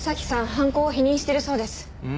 犯行を否認しているそうです。